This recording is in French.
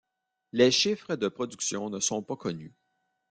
Les chiffres de production ne sont pas connus.